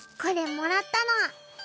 もらった？